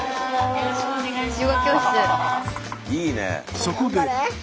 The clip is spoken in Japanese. よろしくお願いします。